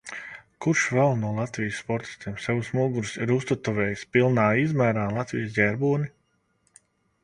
Kurš vēl no Latvijas sportistiem sev uz muguras ir uztetovējis pilnā izmērā Latvijas ģerboni?